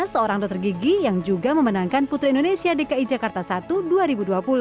seorang dokter gigi yang juga memenangkan putri indonesia dki jakarta i dua ribu dua puluh